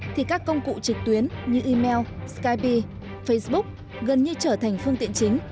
thì các công cụ trực tuyến như email skyp facebook gần như trở thành phương tiện chính